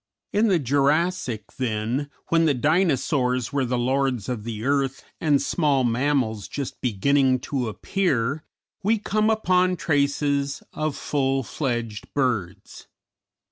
In the Jurassic, then, when the Dinosaurs were the lords of the earth and small mammals just beginning to appear, we come upon traces of full fledged birds.